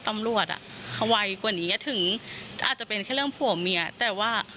ตำรวจอ่ะเขาไวกว่านี้ถึงอาจจะเป็นแค่เรื่องผัวเมียแต่ว่า